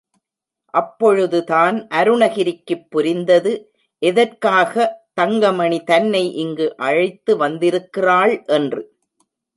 அப்பொழுதுதான் அருணகிரிக்குப் புரிந்தது, எதற்காக தங்கமணி தன்னை இங்கு அழைத்து வந்திருக்கிறாள் என்று.